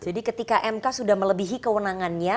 jadi ketika mk sudah melebihi kewenangannya